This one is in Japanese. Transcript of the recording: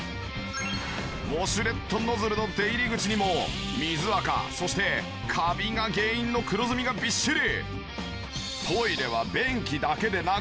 ウォシュレットノズルの出入り口にも水あかそしてカビが原因の黒ずみがびっしり！